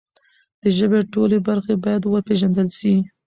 د ژبې ټولې برخې باید وپیژندل سي.